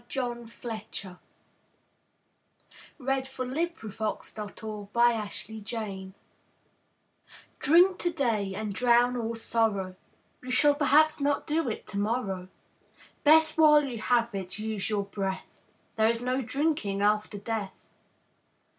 John Fletcher Drinking Song from Bloody Brother DRINK to day, and drown all sorrow, You shall perhaps not do it tomorrow. Best, while you have it, use your breath; There is no drinking after death.